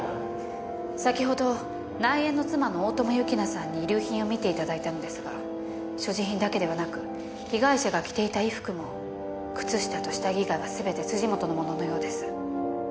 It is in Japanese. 先ほど内縁の妻の大友優樹菜さんに遺留品を見て頂いたのですが所持品だけではなく被害者が着ていた衣服も靴下と下着以外は全て本のもののようです。